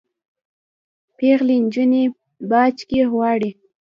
پیغلي نجوني باج کي غواړي